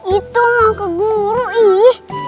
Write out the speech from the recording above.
itu mau ke guru ih